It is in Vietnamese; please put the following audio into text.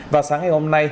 và sáng ngày hôm nay